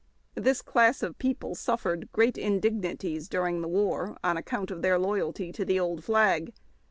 This class of })eople suffered great indignities during the war, on account of their loyalty to tlie old flag.